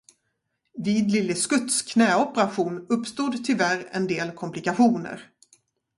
Vid Lille Skutts knäoperation uppstod tyvärr en del komplikationer.